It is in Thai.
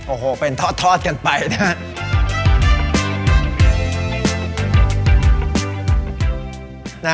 โอ้โหเป็นทอดกันไปนะฮะ